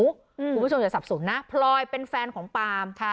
คุณผู้ชมอย่าสับสนนะพลอยเป็นแฟนของปาล์ม